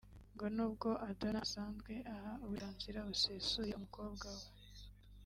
ngo n’ubwo adonna asanzwe aha uburenganzira busesuye umukobwa we